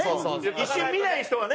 一瞬見ない人はね